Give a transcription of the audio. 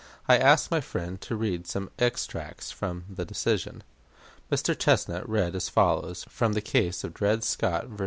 I ask my friend to read some extracts from the decision. Mr. Chesnut read as follows, from the case of Dred Scott _vs.